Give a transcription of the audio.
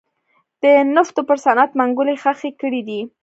د نفتو پر صنعت منګولې خښې کړې دي.